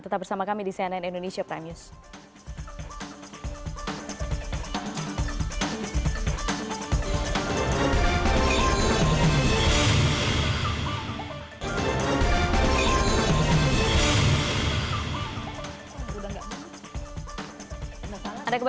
tetap bersama kami di cnn indonesia prime news